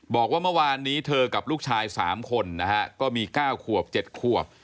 บอกว่าเมื่อวานนี้เธอกับลูกชาย๓คนนะฮะก็มี๙ขวบ๗ขวบ